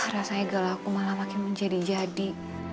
rasanya kalau aku malah makin menjadi jadi